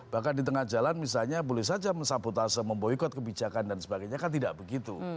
bahkan di tengah jalan misalnya boleh saja mensabotase memboykot kebijakan dan sebagainya kan tidak begitu